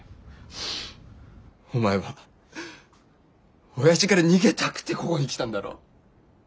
お前はおやじから逃げたくてここに来たんだろ？